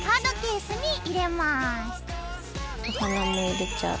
お花も入れちゃう。